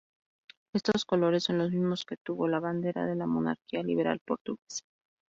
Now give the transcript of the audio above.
Estos colores son los mismos que tuvo la bandera de la Monarquía liberal portuguesa.